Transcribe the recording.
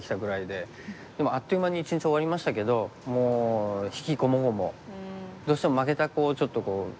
でもあっという間に一日終わりましたけどもう悲喜こもごもどうしても負けた子をちょっと。